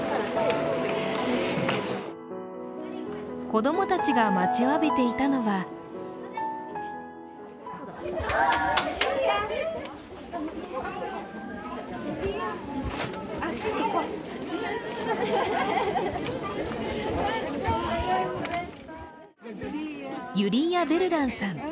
子供たちが待ちわびていたのはユリーア・ヴェルランさん。